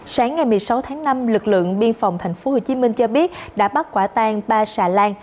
sáng ngày một mươi sáu tháng năm lực lượng biên phòng tp hcm cho biết đã bắt quả tan ba xà lan